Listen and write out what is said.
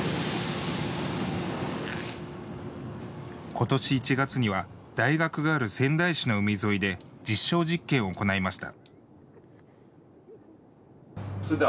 今年１月には大学がある仙台市の海沿いで実証実験を行いました。